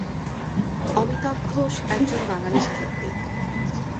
অমিতাভ ঘোষ একজন বাঙালি সাহিত্যিক।